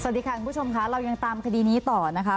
สวัสดีค่ะคุณผู้ชมค่ะเรายังตามคดีนี้ต่อนะคะ